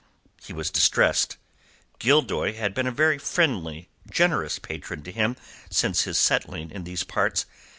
He was distressed. Gildoy had been a very friendly, generous patron to him since his settling in these parts.